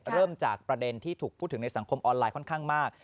เริ่มจากประเด็นที่ถูกพูดถึงในสังคมออนไลน์ค่อนข้างมาก